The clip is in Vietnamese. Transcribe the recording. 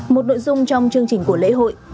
một nội dung trong chương trình của lễ hội